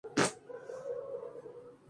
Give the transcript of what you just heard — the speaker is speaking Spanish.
Los nuevos están cubiertos de pelos.